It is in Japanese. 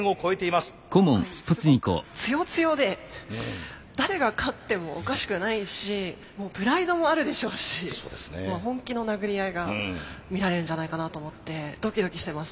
今回すごく強強で誰が勝ってもおかしくないしもうプライドもあるでしょうし本気の殴り合いが見られるんじゃないかなと思ってドキドキしてます。